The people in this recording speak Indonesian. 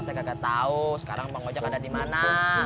saya gak tau sekarang emang ngojek ada di mana